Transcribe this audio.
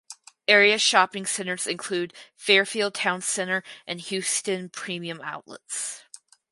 Area shopping centers include Fairfield Towne Center and Houston Premium Outlets.